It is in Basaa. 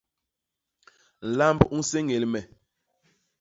Nlamb u nséñél me.